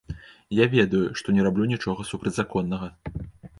Я ведаю, што не раблю нічога супрацьзаконнага.